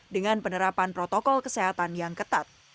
dengan penerapan protokol kesehatan yang ketat